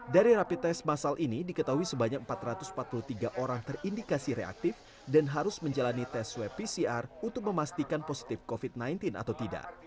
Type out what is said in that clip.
dari rapi tes masal ini diketahui sebanyak empat ratus empat puluh tiga orang terindikasi reaktif dan harus menjalani tes swab pcr untuk memastikan positif covid sembilan belas atau tidak